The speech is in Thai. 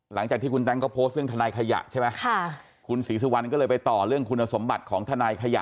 หลังจากที่คุณแต๊งก็โพสต์เรื่องทนายขยะใช่ไหมค่ะคุณศรีสุวรรณก็เลยไปต่อเรื่องคุณสมบัติของทนายขยะ